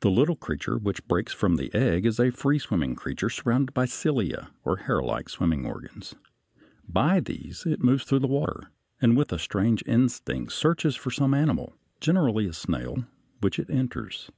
The little creature which breaks from the egg (A) is a free swimming creature surrounded by cilia or hairlike swimming organs. By these it moves through the water, and with strange instinct searches for some animal, generally a snail, which it enters.